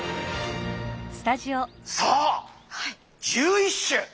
さあ１１種。